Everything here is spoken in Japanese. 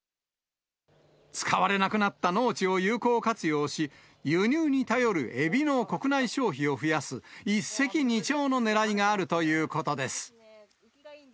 使われなくなった農地を有効活用し、輸入に頼るエビの国内消費を増やす、一石二鳥のねらいがあるということです。